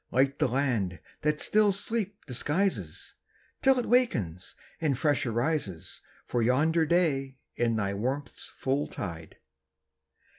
Light the land that still sleep disguises Till it awakens and fresh arises For yonder day in thy warmth's full tide!